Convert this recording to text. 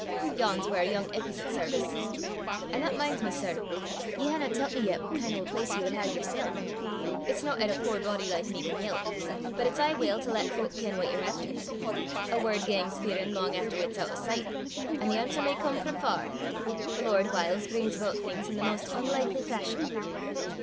Yon 's whaur yoong Eppy's at service. An' that min's me, sir, ye haena tellt me yet what kin' o' a place ye wad hae yersel'. It's no 'at a puir body like me can help, but it's aye weel to lat fowk ken what ye're efter. A word gangs speirin' lang efter it's oot o' sicht an' the answer may come frae far. The Lord whiles brings aboot things i' the maist oonlikly fashion."